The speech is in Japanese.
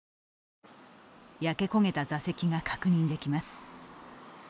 焼け焦げた座席が確認できます。